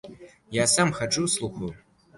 Я сам хаджу, слухаю.